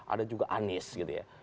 ada juga anies gitu ya